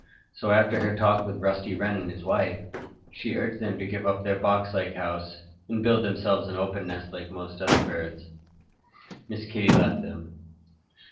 So after her talk with Rusty Wren and his wife, when she urged them to give up their boxlike house and build themselves an open nest like most other birds, Miss Kitty left them.